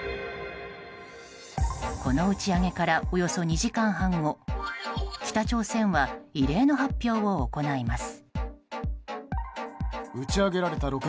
この打ち上げからおよそ２時間半後北朝鮮は異例の発表を行います。